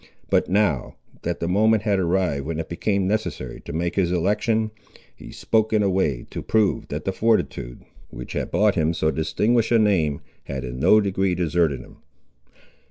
But now, that the moment had arrived when it became necessary to make his election, he spoke in a way to prove that the fortitude, which had bought him so distinguished a name, had in no degree deserted him.